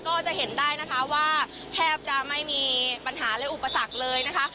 ก็จะเห็นได้นะคะว่าแทบจะไม่มีปัญหาและอุปสรรคเลยนะคะ